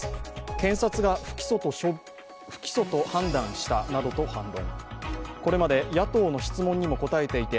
検察が不起訴と判断したなどと反論。